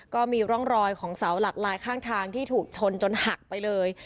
ก็มีร่องรอยของเสาหลักลายข้างทางที่ถูกชนจนหักไปเลย